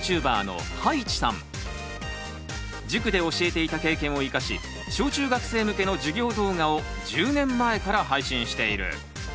塾で教えていた経験を生かし小中学生向けの授業動画を１０年前から配信している。